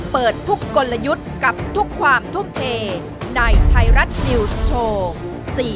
เปิดทุกกลยุทธ์กับทุกความทุกเพในไทรัตนิวส์โชว์๔๗เมษายน